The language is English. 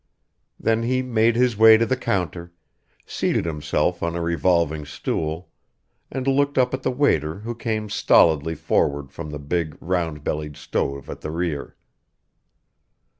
Then he made his way to the counter, seated himself on a revolving stool, and looked up at the waiter who came stolidly forward from the big, round bellied stove at the rear.